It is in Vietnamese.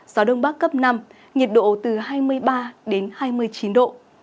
gió đông bắc cấp năm nhiệt độ từ hai mươi ba đến hai mươi chín độ